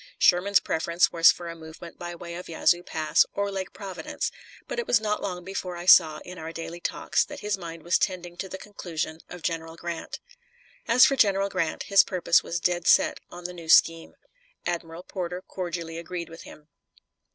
Sherman's preference was for a movement by way of Yazoo Pass, or Lake Providence, but it was not long before I saw in our daily talks that his mind was tending to the conclusion of General Grant. As for General Grant, his purpose was dead set on the new scheme. Admiral Porter cordially agreed with him.